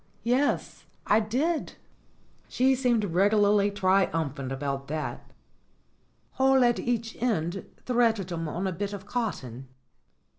"Yes, I did." She seemed regularly triumphant about that. "Hole at each end threaded 'em on a bit of cot ton?"